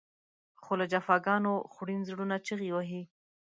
خو له جفاګانو خوړین زړونه چغې وهي.